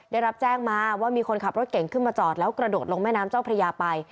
ได้รับแจ้งมาว่ามีคนขับรถเก่งขึ้นมาจอดแล้วกระโดดลงแม่น้ำเจ้าพระยาไป